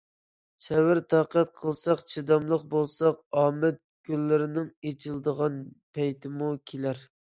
سەۋر- تاقەت قىلساق، چىداملىق بولساق، ئامەت گۈللىرىنىڭ ئېچىلىدىغان پەيتىمۇ كېلەر.